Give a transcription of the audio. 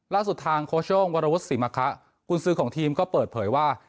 ล่าสุดทางโค้ชโย่งวรวุฒิสิมคะคุณซื้อของทีมก็เปิดเผยว่า